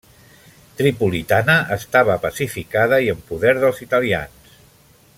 Tripolitana estava pacificada i en poder dels italians.